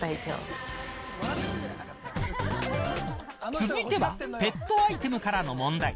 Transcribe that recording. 続いてはペットアイテムからの問題。